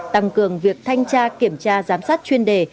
tăng cường việc thanh tra kiểm tra giám sát chuyên đề